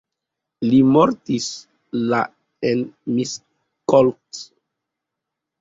Li mortis la en Miskolc.